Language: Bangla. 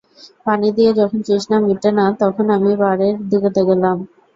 পানি দিয়ে যখন তৃষ্ণা মিটে না তখন আমি বারের দিকে গেলাম।